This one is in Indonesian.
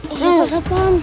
ya nggak usah paham